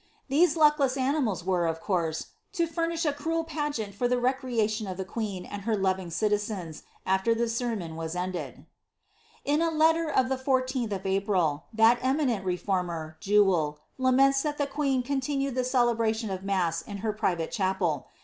These luckless animals were, of course, to furnish a cruel pageant for the recreation of the queen and her loving citizens, after the sermon was ended. In a letter of the 14th of April, that eminent reformer. Jewel, laments, that the queen continued the celebration of mass in her private chapel.